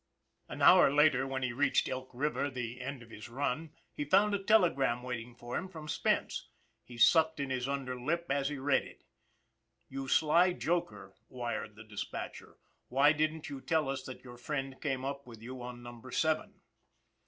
"WHERE'S HAGGERTY?" 259 An hour later when he reached Elk River, the end of his run, he found a telegram waiting for him from Spence. He sucked in his under lip as he read it. " You sly joker," wired the dispatcher, " why didn't you tell us that your friend came up with you on Num ber Seven?"